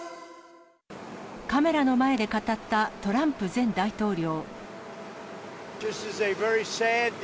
カメラの前で語ったトランプ前大統領。